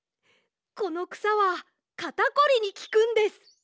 このくさはかたこりにきくんです。